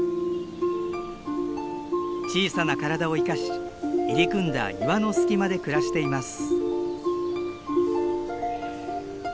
小さな体を生かし入り組んだ岩の隙間で暮らしています。